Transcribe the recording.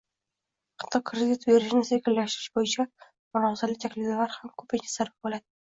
Hatto kredit berishni sekinlashtirish bo'yicha murosali takliflar ham ko'pincha zarba bo'ladi